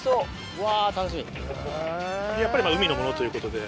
やっぱり海のものということで。